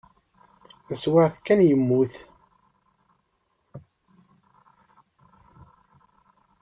Taswiɛt kan yemmut.